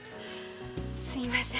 すいません。